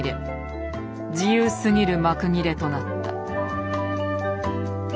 自由すぎる幕切れとなった。